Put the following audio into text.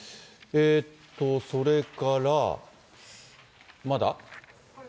それから、まだ？